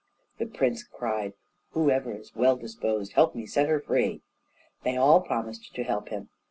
The prince cried, "Whoever is well disposed, help me to set her free!" They all promised to help him.